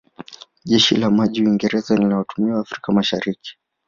Jeshi la maji la Uingereza lililotumwa Afrika Mashariki